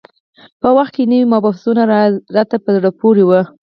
په هغه وخت کې نوي مبحثونه راته په زړه پورې وو.